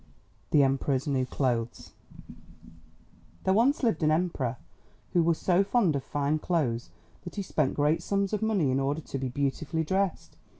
The Emperor's New Clothes There once lived an Emperor who was so fond of fine clothes that he spent great sums of money in order to be beautifully dressed.